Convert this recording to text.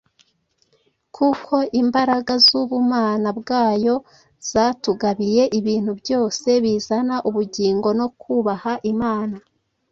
kuko imbaraga z’ubumana bwayo zatugabiye ibintu byose bizana ubugingo no kubaha Imana,